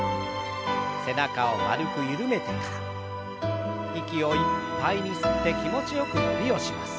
背中を丸く緩めてから息をいっぱいに吸って気持ちよく伸びをします。